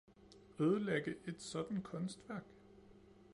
Ødelægge et sådant kunstværk